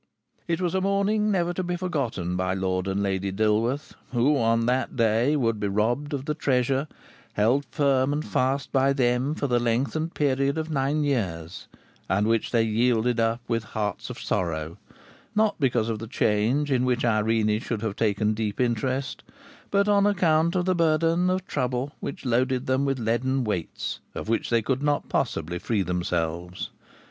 It was a morning never to be forgotten by Lord and Lady Dilworth, who, on that day, would be robbed of the treasure held firm and fast by them for the lengthened period of nine years, and which they yielded up with hearts of sorrow, not because of the change in which Irene should have taken deep interest, but on account of the burthen of trouble which loaded them with leaden weights of which they could not possibly free themselves.